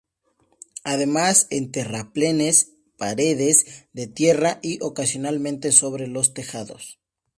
Además en terraplenes, paredes de tierra y ocasionalmente sobre los tejados.